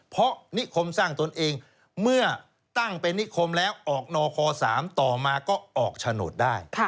เพราะนิคมสร้างตนเองเมื่อตั้งเป็นนิคมแล้วออกนค๓ต่อมาก็ออกโฉนดได้